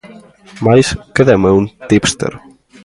Mais, que demo é un tipster?